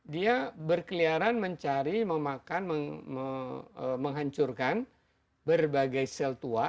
dia berkeliaran mencari memakan menghancurkan berbagai sel tua